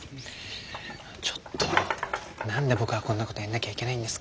ちょっとなんで僕がこんなことやんなきゃいけないんですか。